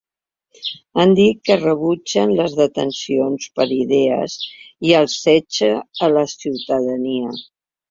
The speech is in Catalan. Han dit que rebutgen les detencions per idees i el setge a la ciutadania.